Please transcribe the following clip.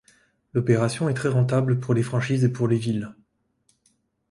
L'opération est très rentable pour les franchises et pour les villes.